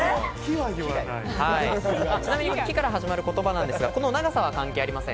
「キ」から始まる言葉なんですが長さは関係ありません。